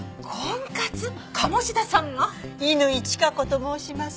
乾チカ子と申します。